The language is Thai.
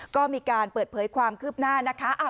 ก็มีการเปิดเผยความคืบหน้านะคะ